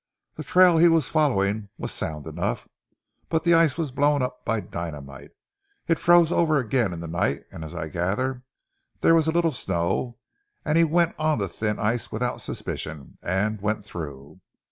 The trail he was following was sound enough, but the ice was blown up by dynamite. It froze over again in the night, and as I gather there was a little snow, he went on to the thin ice without suspicion, and went through.